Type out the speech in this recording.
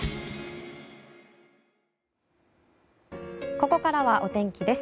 ここからはお天気です。